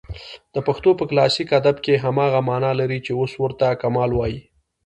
د پښتو په کلاسیک ادب کښي هماغه مانا لري، چي اوس ورته کمال وايي.